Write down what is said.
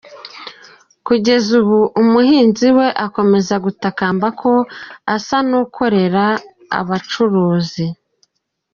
Kugeza ubu umuhinzi we akomeza gutakamba ko asa n’ukorera abacuruzi.